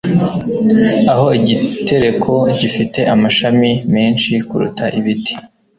Aho igitereko gifite amashami menshi kuruta ibiti